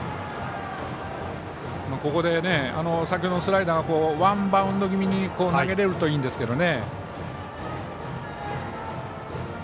ここで先ほどのスライダーがワンバウンド気味に投げられるといいんですが。